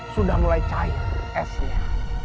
sudah mulai cair esnya